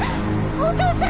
お父さん！